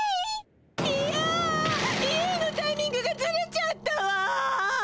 いやイエイのタイミングがずれちゃったわ。